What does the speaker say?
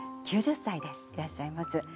９０歳でいらっしゃいます。